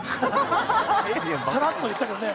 さらっと言ったからね。